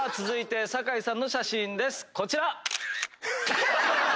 続いて酒井さんの写真ですこちら！